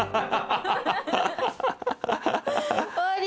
終わり？